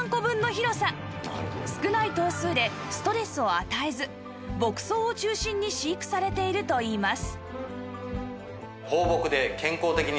少ない頭数でストレスを与えず牧草を中心に飼育されているといいます